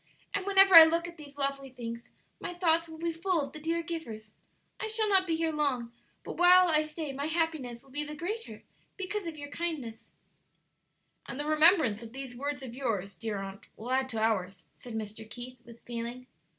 and whenever I look at these lovely things my thoughts will be full of the dear givers. I shall not be here long, but while I stay my happiness will be the greater because of your kindness," "And the remembrance of these words of yours, dear aunt, will add to ours," said Mr. Keith, with feeling.